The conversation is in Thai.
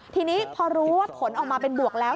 ทีนี้พอรู้ว่าผลออกมาเป็นบวกแล้ว